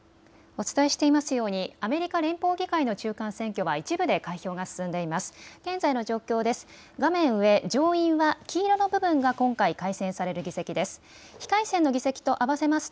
お伝えしていますようにアメリカ連邦議会の中間選挙は一部で開票が進んでいます。